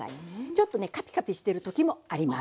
ちょっとねカピカピしてる時もあります。